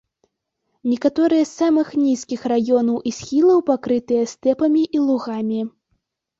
Некаторыя з самых нізкіх раёнаў і схілаў пакрытыя стэпамі і лугамі.